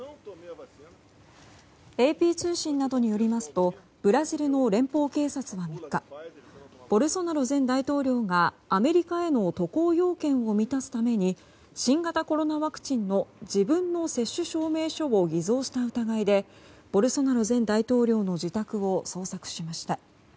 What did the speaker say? ＡＰ通信などによりますとブラジルの連邦警察は３日ボルソナロ前大統領がアメリカへの渡航要件を満たすために新型コロナワクチンの自分の接種証明書を偽造した疑いでボルソナロ前大統領の自宅を捜索しました。